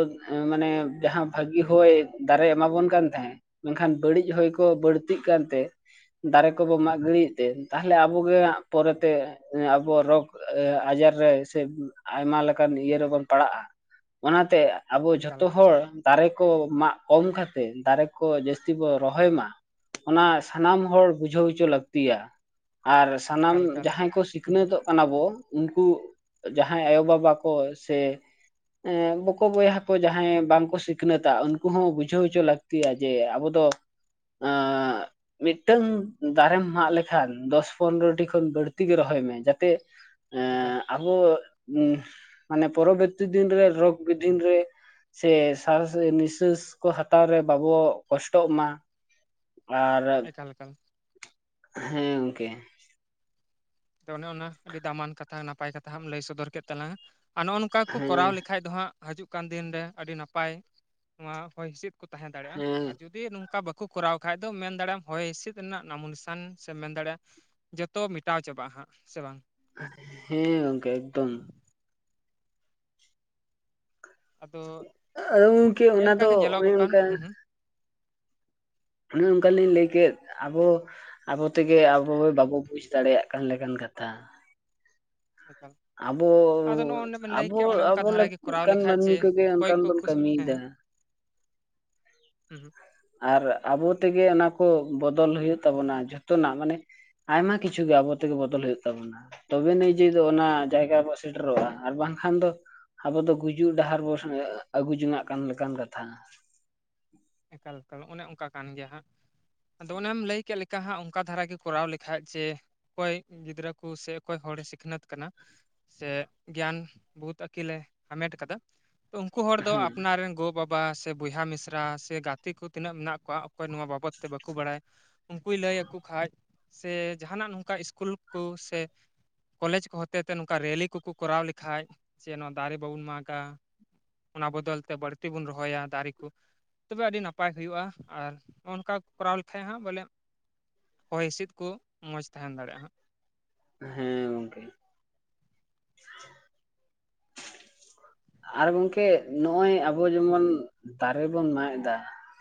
ᱢᱟᱱᱮ ᱡᱟᱦᱟᱸ ᱵᱷᱟᱜᱤ ᱦᱚᱭ ᱫᱟᱨᱮᱭ ᱮᱢᱟᱵᱚᱱ ᱠᱟᱱ ᱛᱟᱦᱮᱸᱫ ᱢᱮᱱᱠᱷᱟᱱ ᱵᱟᱹᱲᱤᱡ ᱦᱚᱭ ᱠᱚ ᱵᱟᱹᱲᱛᱤᱜ ᱠᱟᱱᱛᱮ ᱫᱟᱨᱮ ᱠᱚᱵᱚ ᱢᱟᱜ ᱜᱤᱲᱤᱭᱮᱫ ᱛᱮ ᱛᱟᱦᱞᱮ ᱟᱵᱚᱜᱮ ᱦᱟᱸᱜ ᱯᱚᱨᱮ ᱛᱮ ᱟᱵᱚ ᱨᱚᱜᱽ ᱟᱡᱟᱨ ᱨᱮ ᱥᱮ ᱟᱭᱢᱟ ᱞᱮᱠᱟᱱ ᱤᱭᱟᱹ ᱨᱮᱵᱚᱱ ᱯᱟᱲᱟᱜᱼᱟ ᱚᱱᱟᱛᱮ ᱟᱵᱚ ᱮᱠᱟᱞ ᱡᱷᱚᱛᱚ ᱦᱚᱲ ᱫᱟᱨᱮ ᱠᱚ ᱢᱟᱜ ᱠᱚᱢ ᱠᱟᱛᱮ ᱫᱟᱨᱮ ᱠᱚ ᱡᱟᱹᱥᱛᱤ ᱵᱚ ᱨᱚᱦᱚᱭ ᱢᱟ ᱚᱱᱟ ᱥᱟᱱᱟᱢ ᱦᱚᱲ ᱵᱩᱡᱷᱟᱹᱣ ᱦᱚᱪᱚ ᱞᱟᱹᱠᱛᱤᱭᱟ ᱟᱨ ᱥᱟᱱᱟᱢ ᱮᱠᱟᱞ ᱮᱠᱟᱞ ᱡᱟᱦᱟᱸᱭ ᱠᱚ ᱦᱩᱸ ᱦᱩᱸ ᱥᱤᱠᱷᱱᱟᱹᱛᱚᱜ ᱠᱟᱱᱟ ᱵᱚ ᱩᱱᱠᱩ ᱡᱟᱦᱟᱸᱭ ᱟᱭᱚ ᱵᱟᱵᱟ ᱠᱚ ᱥᱮ ᱮᱸ ᱵᱚᱠᱚ ᱵᱚᱭᱦᱟ ᱠᱚ ᱡᱟᱦᱟᱸᱭ ᱵᱟᱝᱠᱚ ᱥᱤᱠᱷᱱᱟᱹᱛᱟ ᱩᱱᱠᱩ ᱦᱚᱸ ᱵᱩᱡᱷᱟᱹᱣ ᱦᱚᱪᱚ ᱞᱟᱹᱠᱛᱤᱭᱟ ᱡᱮ ᱟᱵᱚ ᱫᱚ ᱟᱸᱻ ᱢᱤᱫᱴᱟᱹᱝ ᱫᱟᱨᱮᱢ ᱢᱟᱜ ᱞᱮᱠᱷᱟᱱ ᱫᱚᱥ ᱯᱚᱱᱫᱨᱚ ᱴᱤ ᱠᱷᱚᱱ ᱵᱟᱹᱲᱛᱤ ᱜᱮ ᱨᱚᱦᱚᱭ ᱢᱮ ᱡᱟᱛᱮ [inaudible] ᱮᱠᱟᱞ ᱟᱨᱦᱚᱸ, ᱢᱟᱱᱮ ᱯᱚᱨᱚ ᱵᱚᱨᱛᱤ ᱫᱤᱱᱨᱮ ᱨᱚᱜᱽ ᱵᱤᱫᱷᱤᱱ ᱨᱮ ᱥᱮ ᱥᱟᱸᱥ ᱱᱤᱥᱟᱹᱥ ᱠᱚ ᱦᱟᱛᱟᱣ ᱨᱮ ᱵᱟᱵᱚ ᱠᱚᱥᱴᱚᱜ ᱢᱟ ᱟᱨ ᱮᱠᱟᱞ ᱮᱠᱟᱞ ᱦᱮᱸ ᱜᱚᱝᱠᱮ ᱟᱫᱚ ᱚᱱᱮ ᱚᱱᱟ ᱟᱹᱰᱤ ᱫᱟᱢᱟᱱ ᱠᱟᱛᱷᱟ ᱱᱟᱯᱟᱭ ᱠᱟᱛᱷᱟ‌ ᱦᱟᱸᱜ-ᱮᱢ ᱞᱟᱹᱭ ᱥᱚᱫᱚᱨ ᱠᱮᱫ ᱛᱟᱞᱟᱝᱟ ᱟᱨ ᱱᱚᱜᱼᱚ ᱱᱚᱝᱠᱟ ᱠᱚ ᱠᱚᱨᱟᱣ ᱦᱮᱸ ᱞᱮᱠᱷᱟᱡ ᱫᱚ ᱦᱟᱸᱜ ᱦᱤᱡᱩᱜ ᱠᱟᱱ ᱫᱤᱱ ᱨᱮ ᱟᱹᱰᱤ ᱱᱟᱯᱟᱭ ᱱᱚᱣᱟ ᱦᱚᱭ ᱦᱤᱸᱥᱤᱫ ᱠᱚ ᱛᱟᱦᱮᱸ ᱫᱟᱲᱮᱭᱟᱜᱼᱟ ᱦᱮᱸ ᱟᱨ ᱡᱩᱫᱤ ᱱᱚᱝ ᱱᱚᱝᱠᱟ ᱵᱟᱠᱚ ᱠᱚᱨᱟᱣ ᱠᱷᱟᱡ ᱫᱚ ᱢᱮᱱ ᱫᱟᱲᱮᱭᱟᱜᱼᱟᱢ ᱦᱚᱭ ᱦᱤᱸᱥᱤᱫ ᱨᱮᱱᱟᱜ ᱱᱟᱢᱩ ᱱᱤᱥᱟᱱ ᱥᱮ ᱢᱮᱱ ᱫᱟᱲᱮᱭᱟᱜᱼᱟ ᱡᱚᱛᱚ ᱢᱮᱴᱟᱣ ᱪᱟᱵᱟᱜᱼᱟ ᱦᱟᱸᱜ ᱥᱮ ᱵᱟᱝ ᱦᱮᱸ ᱜᱚᱝᱠᱮ ᱮᱠᱫᱚᱢ ᱟᱫᱚ ᱟᱫᱚ ᱜᱚᱝᱠᱮ ᱱᱮᱜᱼᱮ ᱚᱱᱟ ᱱᱮᱝᱠᱟ ᱫᱚ ᱜᱮ ᱚᱱᱮ ᱧᱮᱞᱚᱜᱚᱜ ᱠᱟᱱ ᱚᱱᱠᱟ ᱦᱩᱸ ᱦᱩᱸ ᱚᱱᱮ ᱚᱱᱠᱟ ᱞᱤᱧ ᱞᱟᱹᱭ ᱠᱮᱫ ᱟᱵᱚ ᱟᱵᱚ ᱛᱮᱜᱮ ᱟᱵᱚ ᱵᱟᱵᱚ ᱵᱩᱡᱽ ᱫᱟᱲᱮᱭᱟᱜ ᱠᱟᱱ ᱞᱮᱠᱟᱱ ᱠᱟᱛᱷᱟ ᱮᱠᱟᱞ ᱟᱵᱚ ᱟᱫᱚ ᱱᱚᱜᱼᱚ ᱚᱱᱮ ᱵᱮᱱ ᱞᱟᱹᱭ ᱟᱵᱚ ᱠᱮᱜ ᱚᱱᱮ ᱚᱱᱠᱟ ᱟᱵᱚ ᱫᱷᱟᱨᱟ ᱜᱮ ᱞᱟᱠᱛᱤᱜ ᱠᱚᱨᱟᱣ ᱠᱟᱱ ᱞᱮᱠᱷᱟᱡ ᱢᱟᱹᱱᱢᱤ ᱡᱮ ᱠᱚᱜᱮ ᱚᱠᱚᱭ ᱚᱱᱠᱟᱱ ᱠᱚ ᱵᱚᱱ ᱠᱩᱥ ᱦᱮᱸ ᱠᱟᱹᱢᱤᱭᱮᱫᱟ ᱦᱮᱸ ᱦᱩᱸ ᱦᱩᱸ ᱟᱨ ᱟᱵᱚ ᱛᱮᱜᱮ ᱚᱱᱟ ᱠᱚ ᱵᱚᱫᱚᱞ ᱦᱩᱭᱩᱜ ᱛᱟᱵᱚᱱᱟ ᱡᱷᱚᱛᱚᱱᱟᱜ ᱢᱟᱱᱮ ᱟᱭᱢᱟ ᱠᱤᱪᱷᱩ ᱜᱮ ᱟᱵᱚᱛᱮᱜᱮ ᱵᱚᱫᱚᱞ ᱦᱩᱭᱩᱜ ᱛᱟᱵᱚᱱᱟ ᱛᱚᱵᱮ ᱱᱤᱡᱮ ᱫᱚ ᱚᱱᱟ ᱡᱟᱭᱜᱟ ᱵᱚ ᱥᱮᱴᱮᱨᱚᱜᱼᱟ ᱟᱨ ᱵᱟᱝᱠᱷᱟᱱ ᱫᱚ ᱟᱵᱚ ᱫᱚ ᱜᱩᱡᱩᱜ ᱰᱟᱦᱟᱨ ᱵᱚᱱ ᱟᱹᱜᱩ ᱡᱚᱝᱟᱜ ᱠᱟᱱ ᱞᱮᱠᱟᱱ ᱠᱟᱛᱷᱟ ᱮᱠᱟᱞ ᱮᱠᱟᱞ ᱚᱱᱮ ᱚᱝᱠᱟ ᱠᱟᱱ ᱜᱮᱭᱟ ᱦᱟᱸᱜ ᱟᱫᱚ ᱚᱱᱮᱢ ᱞᱟᱹᱭ ᱠᱮᱫ ᱞᱮᱠᱟ ᱦᱟᱸᱜ ᱚᱱᱠᱟ ᱫᱷᱟᱨᱟ ᱜᱮ ᱠᱚᱨᱟᱣ ᱞᱮᱠᱷᱟᱡ ᱡᱮ ᱚᱠᱚᱭ ᱜᱤᱫᱽᱨᱟᱹ ᱠᱚ ᱥᱮ ᱚᱠᱚᱭ ᱦᱚᱲᱮ ᱥᱤᱠᱷᱱᱟᱹᱛ ᱠᱟᱱᱟ ᱥᱮ ᱜᱮᱭᱟᱱ ᱵᱩᱫ ᱟᱹᱠᱤᱞᱮ ᱦᱟᱢᱮᱴ ᱟᱠᱟᱫᱟ ᱩᱝᱠᱩ ᱦᱚᱲ ᱫᱚ ᱦᱮᱸ ᱟᱯᱱᱟᱨ ᱨᱮᱱ ᱜᱚᱼᱵᱟᱵᱟ ᱥᱮ ᱵᱚᱭᱦᱟ ᱢᱤᱥᱨᱟ ᱥᱮ ᱜᱟᱛᱮ ᱠᱚ ᱛᱤᱱᱟᱹᱜ ᱢᱮᱱᱟᱜ ᱠᱚᱣᱟ ᱚᱠᱚᱭ ᱱᱚᱣᱟ ᱵᱟᱵᱚᱫ ᱛᱮ ᱵᱟᱠᱚ ᱵᱟᱲᱟᱭ ᱩᱱᱠᱩᱭ ᱞᱟᱹᱭ ᱟᱠᱚ ᱠᱷᱟᱡ ᱥᱮ ᱡᱟᱦᱟᱱᱟᱜ ᱱᱚᱝᱠᱟ ᱥᱠᱩᱞ ᱠᱚ ᱥᱮ ᱠᱚᱞᱮᱡᱽ ᱠᱚ ᱦᱚᱛᱮ ᱛᱮ ᱱᱚᱝᱠᱟ ᱨᱮᱞᱤ ᱠᱚᱠᱚ ᱠᱚᱨᱟᱣ ᱞᱮᱠᱷᱟᱡ ᱡᱮ ᱱᱚᱣᱟ ᱫᱟᱨᱮ ᱵᱟᱵᱚᱱ ᱢᱟᱜᱟ ᱚᱱᱟ ᱵᱚᱫᱚᱞ ᱛᱮ ᱵᱟᱹᱲᱛᱤ ᱵᱚᱱ ᱨᱚᱦᱚᱭᱟ ᱫᱟᱨᱮ ᱠᱚ ᱛᱚᱵᱮ ᱟᱹᱰᱤ ᱱᱟᱯᱟᱭ ᱦᱩᱭᱩᱜᱼᱟ ᱟᱨ ᱱᱚᱜᱼᱚᱭ ᱱᱚᱝᱠᱟ ᱠᱚᱨᱟᱣ ᱞᱮᱠᱷᱟᱡ ᱦᱟᱸᱜ ᱵᱚᱞᱮ ᱦᱚᱭ ᱦᱤᱥᱤᱫ ᱠᱚ ᱢᱚᱸᱡᱽ ᱛᱟᱦᱮᱱ ᱫᱟᱲᱮᱭᱟᱜᱼᱟ ᱦᱟᱸᱜ ᱦᱮᱸ ᱜᱚᱝᱠᱮ ᱾ ᱟᱨ ᱜᱚᱝᱠᱮ ᱱᱚᱜᱼᱚᱭ ᱟᱵᱚ ᱡᱮᱢᱚᱱ ᱫᱟᱨᱮ ᱵᱚᱱ ᱢᱟᱜ ᱮᱫᱟ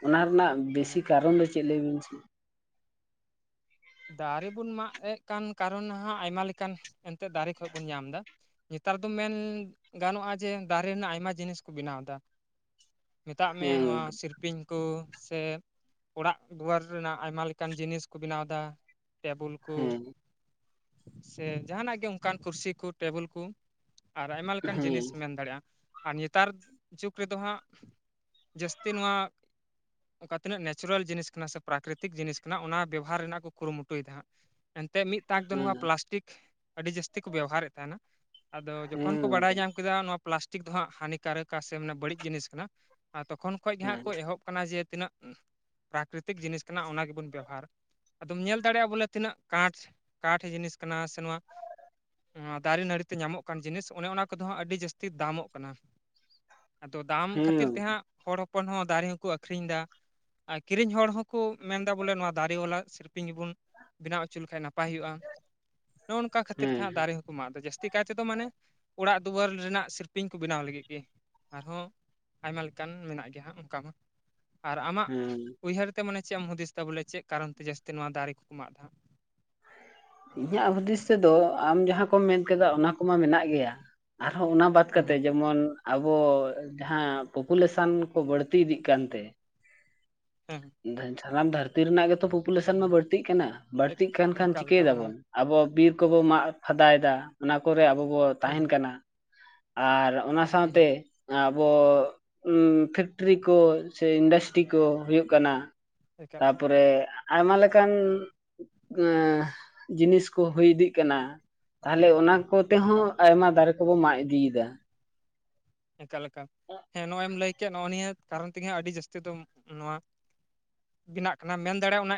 ᱚᱱᱟ ᱨᱮᱱᱟᱜ ᱦᱟᱸᱜ ᱵᱮᱥᱤ ᱦᱮᱸ ᱠᱟᱨᱚᱱ ᱫᱚ ᱪᱮᱫ ᱞᱟᱹᱭᱵᱤᱱ ᱥᱮ? ᱫᱟᱨᱮ ᱵᱚᱱ ᱢᱟᱜ ᱮᱜ ᱠᱟᱱ ᱠᱟᱨᱚᱱ ᱦᱟᱸᱜ ᱟᱭᱢᱟ ᱞᱮᱠᱟᱱ ᱮᱱᱛᱮᱜ ᱫᱟᱨᱮ ᱠᱷᱚᱱ ᱵᱚᱱ ᱧᱟᱢ ᱮᱫᱟ ᱱᱮᱛᱟᱨ ᱫᱚ ᱢᱮᱱ ᱜᱟᱱᱚᱜᱼᱟ ᱡᱮ ᱫᱟᱨᱮ ᱨᱮᱱᱟᱜ ᱟᱭᱢᱟ ᱡᱤᱱᱤᱥ ᱠᱚ ᱵᱮᱱᱟᱣᱫᱟ ᱾ ᱢᱮᱛᱟᱜ ᱢᱮ ᱦᱮᱸ ᱱᱚᱣᱟ ᱥᱤᱨᱯᱤᱧ ᱠᱚ ᱥᱮ ᱚᱲᱟᱜ ᱫᱩᱣᱟᱹᱨ ᱨᱮᱱᱟᱜ ᱟᱭᱢᱟ ᱞᱮᱠᱟᱱ ᱡᱤᱱᱤᱥ ᱠᱚ ᱵᱮᱱᱟᱣ ᱮᱫᱟ ᱾ ᱴᱮᱵᱤᱞ ᱠᱚ ᱦᱮᱸ ᱥᱮ ᱡᱟᱦᱟᱱᱟᱜ ᱜᱮ ᱚᱱᱠᱟᱱ ᱠᱩᱨᱥᱤ ᱠᱚ ᱴᱮᱵᱤᱞ ᱠᱚ ᱾ ᱟᱨ ᱟᱭᱢᱟ ᱞᱮᱠᱟᱱ ᱦᱮᱸ ᱡᱤᱱᱤᱥ ᱢᱮᱱ ᱫᱟᱲᱮᱭᱟᱜᱼᱟ ᱾ ᱟᱨ ᱱᱮᱛᱟᱨ ᱡᱩᱜᱽ ᱨᱮᱫᱚ ᱦᱟᱸᱜ ᱡᱟᱹᱥᱛᱤ ᱱᱚᱣᱟ ᱾ ᱚᱠᱟ ᱛᱤᱱᱟᱹᱜ ᱱᱮᱪᱟᱨᱮᱞ ᱡᱤᱱᱤᱥ ᱠᱟᱱᱟ ᱥᱮ ᱯᱨᱟᱠᱨᱤᱛᱤᱠ ᱡᱤᱱᱤᱥ ᱠᱟᱱᱟ ᱚᱱᱟ ᱵᱮᱵᱚᱦᱟᱨ ᱨᱮᱱᱟᱜ ᱠᱚ ᱠᱩᱨᱩᱢᱩᱴᱩᱭᱮᱫᱟ ᱦᱟᱸᱜ ᱮᱱᱛᱮᱫ ᱢᱤᱫᱛᱟᱠ ᱫᱚ ᱦᱮᱸ ᱱᱚᱣᱟ ᱯᱞᱟᱥᱴᱤᱠ ᱟᱹᱰᱤ ᱡᱟᱹᱥᱛᱤ ᱠᱚ ᱵᱮᱣᱦᱟᱨᱮᱫ ᱛᱟᱦᱮᱱᱟ ᱟᱫᱚ ᱡᱚᱠᱷᱚᱱ ᱦᱮᱸ ᱠᱚ ᱵᱟᱲᱟᱭ ᱜᱚᱝᱠᱮ ᱧᱟᱢ ᱠᱮ ᱫᱟ ᱱᱚᱣᱟ ᱯᱞᱟᱥᱴᱤᱠ ᱫᱚ ᱦᱟᱸᱜ ᱦᱟᱹᱱᱤ ᱠᱟᱨᱟᱹᱠ ᱟᱥᱮ ᱢᱟᱱᱮ ᱵᱟᱹᱲᱤᱡ ᱡᱤᱱᱤᱥ ᱠᱟᱱᱟ ᱟᱨ ᱛᱚᱠᱷᱚᱱ ᱠᱷᱚᱡᱽ ᱜᱮᱦᱟᱸᱜ ᱦᱮᱸ ᱮᱦᱚᱵ ᱠᱟᱱᱟ ᱡᱮ ᱛᱤᱱᱟᱹᱜ ᱯᱨᱟᱠᱨᱤᱛᱤᱠ ᱡᱤᱱᱤᱥ ᱠᱟᱱᱟ ᱚᱱᱟ ᱜᱮᱵᱚᱱ ᱵᱮᱣᱦᱟᱨᱟ ᱾ ᱟᱫᱚᱢ ᱧᱮᱞ ᱫᱟᱲᱮᱭᱟᱜᱼᱟ ᱵᱚᱞᱮ ᱛᱤᱱᱟᱹᱜ ᱠᱟᱸᱴᱷ ᱠᱟᱴ ᱡᱤᱱᱤᱥ ᱠᱟᱱᱟ ᱥᱮ ᱱᱚᱣᱟ ᱫᱟᱨᱮ ᱱᱟᱹᱲᱤ ᱛᱮ ᱧᱟᱢᱚᱜ ᱠᱟᱱ ᱡᱤᱱᱤᱥ ᱚᱱᱮ ᱚᱱᱟ ᱠᱚᱫᱚ ᱦᱟᱸᱜ ᱟᱹᱰᱤ ᱡᱟᱹᱥᱛᱤ ᱫᱟᱢᱚᱜ ᱠᱟᱱᱟ ᱾ ᱟᱫᱚ ᱫᱟᱢ ᱠᱷᱟᱹᱛᱤᱨ ᱦᱮᱸ ᱛᱮᱦᱟᱸᱜ ᱦᱚᱲ ᱦᱚᱯᱚᱱ ᱦᱚᱸ ᱫᱟᱨᱮ ᱦᱚᱸᱠᱚ ᱟᱠᱷᱨᱤᱧ ᱮᱫᱟ ᱟᱨ ᱠᱤᱨᱤᱧ ᱦᱚᱲ ᱦᱚᱸᱠᱚ ᱢᱮᱱᱫᱟ ᱵᱚᱞᱮ ᱱᱚᱣᱟ ᱫᱟᱨᱮ ᱵᱟᱞᱟ ᱥᱤ ᱥᱤᱞᱯᱤᱝ ᱜᱮᱵᱚᱱ ᱵᱮᱱᱟᱣ ᱦᱚᱪᱚ ᱞᱮᱠᱷᱟᱱᱡᱽ ᱱᱟᱯᱟᱭ ᱦᱩᱭᱩᱜᱼᱟ ᱱᱚᱜ ᱱᱚᱝᱠᱟ ᱠᱷᱟᱹᱛᱤᱨ ᱦᱮᱸ ᱛᱮᱦᱟᱸᱜ ᱫᱟᱨᱮ ᱦᱚᱸ ᱢᱟᱜ ᱫᱚ ᱡᱟᱹᱥᱛᱤ ᱠᱟᱭ ᱛᱮᱫᱚ ᱢᱟᱱᱮ ᱚᱲᱟᱜ ᱫᱩᱣᱟᱹᱨ ᱨᱮᱱᱟᱜ ᱥᱤᱨᱯᱤᱧ ᱠᱚ ᱵᱮᱱᱟᱣ ᱞᱟᱹᱜᱤᱫ ᱜᱮ ᱟᱨᱦᱚᱸ ᱟᱭᱢᱟ ᱞᱮᱠᱟᱱ ᱢᱮᱱᱟᱜ ᱜᱮᱭᱟ ᱦᱟᱸᱜ ᱚᱱᱠᱟ ᱢᱟ ᱟᱨ ᱟᱢᱟᱜ ᱦᱮᱸ ᱩᱭᱦᱟᱹᱨ ᱛᱮ ᱢᱟᱱᱮ ᱪᱮᱫ ᱮᱢ ᱦᱩᱫᱤᱥ ᱮᱫᱟ ᱵᱚᱞᱮ ᱪᱮᱫ ᱠᱟᱨᱚᱱ ᱛᱮ ᱡᱟᱹᱥᱛᱤ ᱱᱚᱣᱟ ᱫᱟᱨᱮ ᱠᱚᱠᱚ ᱢᱟᱜ ᱮᱫᱟ? ᱤᱧᱟᱹᱜ ᱦᱩᱫᱤᱥ ᱛᱮᱫᱚ ᱟᱢ ᱡᱟᱦᱟᱸ ᱠᱚᱢ ᱢᱮᱱ ᱠᱮᱫᱟ ᱚᱱᱟ ᱠᱚᱢᱟ ᱢᱮᱱᱟᱜ ᱜᱮᱭᱟ ᱟᱨᱦᱚᱸ ᱚᱱᱟ ᱠᱚ ᱵᱟᱫ ᱦᱩᱸ ᱠᱟᱛᱮ ᱦᱩᱸ ᱡᱮᱢᱚᱱ ᱟᱵᱚ ᱡᱟᱦᱟᱸ ᱯᱚᱯᱩᱞᱮᱥᱚᱱ ᱠᱚ ᱵᱟᱹᱲᱛᱤ ᱤᱫᱤᱜ ᱠᱟᱱᱛᱮ ᱦᱮᱸ ᱾ ᱥᱟᱱᱟᱢ ᱫᱷᱟᱹᱨᱛᱤ ᱨᱮᱱᱟᱜ ᱜᱮᱛᱚ ᱯᱚᱯᱩᱞᱮᱥᱚᱱ ᱢᱟ ᱵᱟᱹᱲᱛᱤᱜ ᱠᱟᱱᱟ ᱮᱠ ᱵᱟᱹᱲᱛᱤ ᱠᱟᱱ ᱠᱷᱟᱱ ᱮᱠᱟᱞ ᱪᱤᱠᱟᱹᱭ ᱮᱠᱟᱞ ᱚᱱᱟ ᱫᱟᱵᱚᱱ ᱢᱟ ᱟᱵᱚ ᱵᱤᱨ ᱠᱚᱵᱚ ᱢᱟᱜ ᱯᱷᱟᱫᱟᱭ ᱮᱫᱟ ᱚᱱᱟ ᱠᱚᱨᱮ ᱟᱵᱚ ᱵᱚ ᱦᱩᱸ ᱛᱟᱦᱮᱱ ᱦᱩᱸ ᱠᱟᱱᱟ ᱾ ᱟᱨ ᱚᱱᱟ ᱦᱩᱸ ᱥᱟᱶᱛᱮ ᱦᱩᱸ ᱟᱵᱚ ᱯᱷᱮᱠᱴᱨᱤ ᱠᱚ ᱥᱮ ᱤᱱᱰᱟᱥᱴᱨᱤ ᱠᱚ ᱦᱳᱭᱳᱜ ᱠᱟᱱᱟ ᱾ ᱮᱠᱟᱞ, ᱛᱟᱯᱚᱨᱮ ᱟᱭᱢᱟ ᱞᱮᱠᱟᱱ ᱡᱤᱱᱤᱥ ᱠᱚ ᱦᱩᱭ ᱤᱫᱤᱜ ᱠᱟᱱᱟ ᱾ ᱛᱟᱦᱚᱞᱮ ᱚᱱᱟ ᱠᱚᱛᱮ ᱮᱠᱟᱞ ᱦᱚᱸ ᱮᱠᱟᱞ ᱟᱭᱢᱟ ᱫᱟᱨᱮ ᱠᱚᱵᱚ ᱢᱟᱜ ᱤᱫᱤᱭ ᱮᱫᱟ ᱾ ᱚᱱᱠᱟ ᱞᱮᱠᱟ ᱦᱮᱸ ᱱᱚᱜᱼᱚᱭ ᱮᱢ ᱞᱟᱹᱭ ᱠᱮᱜ ᱱᱚᱜᱼᱚᱭ ᱱᱤᱭᱟᱹ ᱠᱟᱨᱚᱱ ᱛᱮᱜᱮ ᱟᱹᱰᱤ ᱡᱟᱹᱥᱛᱤ ᱫᱚ ᱱᱚᱣᱟ ᱵᱮᱱᱟᱜ ᱠᱟᱱᱟ ᱢᱮᱱ ᱫᱟᱲᱮᱭᱟᱜᱼᱟ ᱚᱱᱟ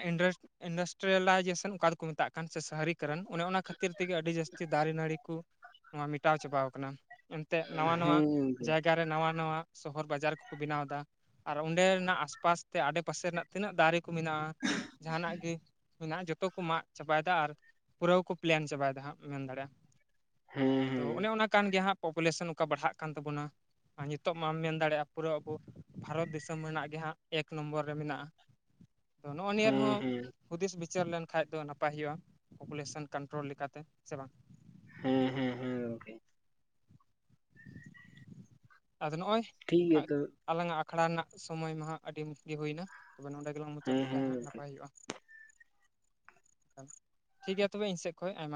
ᱤᱱᱰᱟᱥᱴᱨᱤᱭᱮᱞᱟᱭ ᱡᱮᱥᱚᱱ ᱚᱠᱟ ᱫᱚᱠᱚ ᱢᱮᱛᱟᱜ ᱠᱟᱱ ᱥᱮ ᱥᱟᱦᱨᱤ ᱠᱟᱨᱚᱱ ᱚᱱᱮ ᱚᱱᱟ ᱠᱷᱟᱹᱛᱤᱨ ᱛᱮᱜᱮ ᱟᱹᱰᱤ ᱡᱟᱹᱥᱛᱤ ᱫᱟᱨᱮ ᱱᱟᱹᱲᱤ ᱠᱚ ᱱᱚᱣᱟ ᱢᱮᱴᱟᱣ ᱪᱟᱵᱟᱣ ᱠᱟᱱᱟ ᱾ ᱮᱱᱛᱮ ᱱᱟᱣᱟ ᱱᱟᱣᱟ ᱦᱮᱸ ᱾ ᱜᱚᱝᱠᱮ ᱵᱟᱡᱟᱨ ᱨᱮ ᱱᱟᱣᱟ ᱱᱟᱣᱟ ᱥᱚᱦᱚᱨ ᱵᱟᱡᱟᱨ ᱠᱚᱠᱚ ᱵᱮᱱᱟᱣ ᱮᱫᱟ ᱟᱨ ᱚᱸᱰᱮᱱᱟᱜ ᱟᱥᱯᱟᱥ ᱛᱮ ᱟᱸᱰᱮ ᱯᱟᱥᱮ ᱨᱮᱱᱟᱜ ᱛᱤᱱᱟᱹᱜ ᱫᱟᱨᱮ ᱠᱚ ᱢᱮᱱᱟᱜᱼᱟ ᱡᱟᱦᱟᱱᱟᱜ ᱜᱮ ᱢᱮᱱᱟᱜᱼᱟ ᱡᱚᱛᱚ ᱠᱚ ᱢᱟᱜ ᱪᱟᱵᱟᱭᱮᱫᱟ ᱟᱨ ᱯᱩᱨᱟᱹ ᱠᱚ ᱯᱮᱞᱮᱱ ᱪᱟᱵᱟᱭᱮᱫᱟ ᱦᱟᱸᱜ ᱢᱮᱱ ᱫᱟᱲᱮᱭᱟᱜᱼᱟ ᱾ ᱦᱮᱸ ᱟᱫᱚ ᱦᱮᱸ ᱚᱱᱮ ᱚᱱᱟ ᱠᱟᱱ ᱜᱮᱭᱟ ᱦᱟᱸᱜ ᱯᱚᱯᱩᱞᱮᱥᱚᱱ ᱚᱠᱟ ᱵᱟᱲᱦᱟᱜ ᱠᱟᱱ ᱛᱟᱵᱚᱱᱟ ᱾ ᱟᱨ ᱱᱤᱛᱚᱜ ᱢᱟᱢ ᱢᱮᱱ ᱫᱟᱲᱮᱭᱟᱜᱼᱟ ᱯᱩᱨᱟᱹ ᱟᱵᱚ ᱵᱷᱟᱨᱚᱛ ᱫᱤᱥᱚᱢ ᱨᱮᱱᱟᱜ ᱜᱮ ᱦᱟᱸᱜ ᱮᱠ ᱱᱚᱢᱵᱚᱨ ᱨᱮ ᱢᱮᱱᱟᱜᱼᱟ ᱾ [inaudible] ᱛᱚ ᱱᱚᱜᱼᱚᱭ ᱱᱤᱭᱟᱹ ᱦᱮᱸ ᱨᱮᱦᱚᱸ ᱦᱮᱸ ᱦᱩᱫᱤᱥ ᱵᱤᱪᱟᱹᱨ ᱞᱮᱱᱠᱷᱟᱱ ᱫᱚ ᱱᱟᱯᱟᱭ ᱦᱩᱭᱩᱜᱼᱟ ᱯᱚᱯᱩᱞᱮᱥᱚᱱ ᱠᱚᱱᱴᱨᱳᱞ ᱞᱮᱠᱟᱛᱮ ᱥᱮ ᱵᱟᱝ ᱦᱮᱸ ᱦᱮᱸ ᱾ ᱟᱫᱚ ᱱᱚᱜᱼᱚᱭ ᱴᱷᱤᱠ ᱜᱮᱭᱟ ᱛᱚ ᱾ ᱟᱞᱟᱝᱟᱜ ᱟᱠᱷᱲᱟ ᱨᱮᱱᱟᱜ ᱥᱚᱢᱚᱭ ᱢᱟᱦᱟᱸ ᱟᱹᱰᱤ ᱜᱮ ᱦᱩᱭᱮᱱᱟ᱾ ᱛᱚᱵᱮ ᱱᱚᱸᱰᱮ ᱜᱮᱞᱟᱝ ᱢᱩᱪᱟᱹᱫ ᱦᱮᱸ ᱞᱮᱠᱷᱟᱡ ᱦᱮᱸ ᱦᱟᱸᱜ ᱜᱚᱝᱠᱮ ᱱᱟᱯᱟᱭ ᱦᱩᱭᱩᱜᱼᱟ᱾ ᱴᱷᱤᱠᱜᱮᱭᱟ ᱛᱚᱵᱮ ᱤᱧ ᱥᱮᱫ ᱠᱷᱚᱱ ᱟᱭᱢᱟ